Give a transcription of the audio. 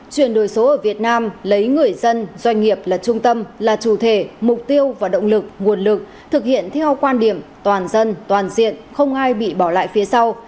chuyển đổi số ở việt nam lấy người dân doanh nghiệp là trung tâm là chủ thể mục tiêu và động lực nguồn lực thực hiện theo quan điểm toàn dân toàn diện không ai bị bỏ lại phía sau